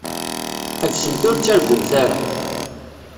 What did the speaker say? Ḥesbsemt ur ttargumt ara.